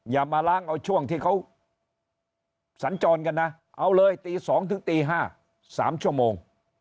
อย่ามาล้างเอาช่วงที่เขาสัญจรกันนะเอาเลยตี๒ถึงตี๕๓ชั่วโมง